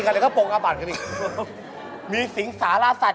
สะดวกอาเมศรพูดอะไรออกไป